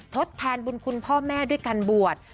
ทดแทนบุญคุณพ่อแม่ด้วยการบวช